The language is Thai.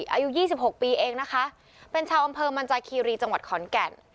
อายุ๒๖ปีเองนะคะเป็นชาวอำเภอมันจาคีรีจังหวัดขอนแก่น